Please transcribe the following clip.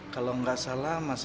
kalau gak salah mas